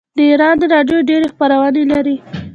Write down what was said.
د ایران راډیو ډیرې خپرونې لري.